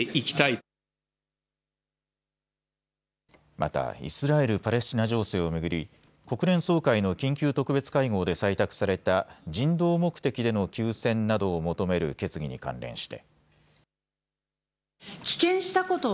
またイスラエル・パレスチナ情勢を巡り、国連総会の緊急特別会合で採択された人道目的での休戦などを求める決議に関連して。